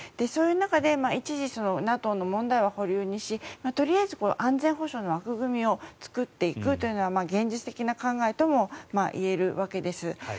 そういう中で一時、ＮＡＴＯの問題は保留にしとりあえず安全保障の枠組みを作っていくというのが現実的な考えともいえるわけです。